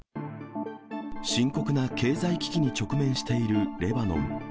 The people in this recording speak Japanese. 深刻な経済危機に直面しているレバノン。